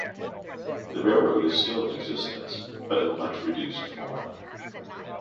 The railroad is still in existence, but in much reduced form.